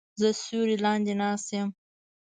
زه سیوری لاندې ناست یم